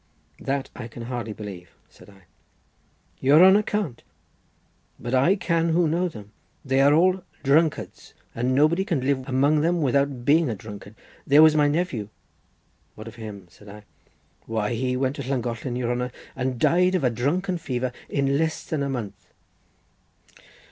"That I can hardly believe," said I. "Your honour can't! but I can who know them. They are all drunkards, and nobody can live among them without being a drunkard. There was my nephew—" "What of him?" said I. "Why, he went to Llangollen, your honour, and died of a drunken fever in less than a month."